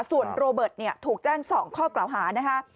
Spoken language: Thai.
ส่วนโรเบิร์ตถูกแจ้ง๒ข้อกล่าวหานะคะ